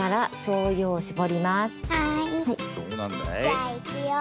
じゃあいくよ。